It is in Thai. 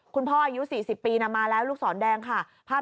คุณพ่ออายุ๔๐ปีนะมาแล้วลูกสอนแดงค่ะ